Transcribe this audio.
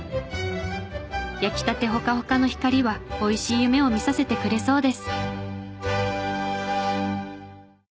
焼きたてほかほかの光は美味しい夢を見させてくれそうです。